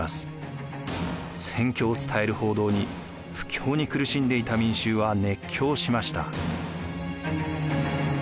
戦況を伝える報道に不況に苦しんでいた民衆は熱狂しました。